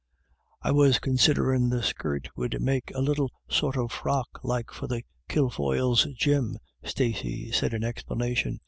"I was considerin' the skirt would make a little sort o' frock like for the Kilfoyles' Jim," Stacey said in explanation.